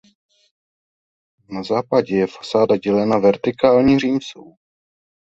Na západě je fasáda dělena vertikální římsou.